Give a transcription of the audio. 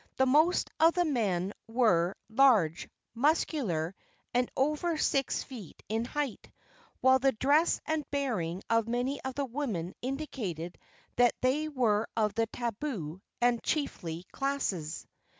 The most of the men were large, muscular and over six feet in height, while the dress and bearing of many of the women indicated that they were of the tabu and chiefly classes.